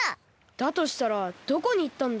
だとしたらどこにいったんだ？